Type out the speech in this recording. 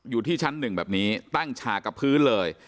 อยู่ที่ชั้น๑แบบนี้ตั้งชากับพื้นเลย